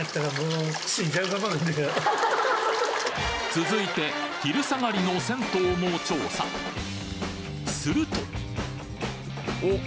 続いて昼下がりの銭湯も調査するとおっ！